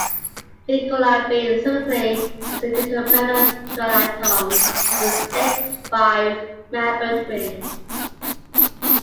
Ginkgolide B specifically, is a diterpenoid trilactone with six five-membered rings.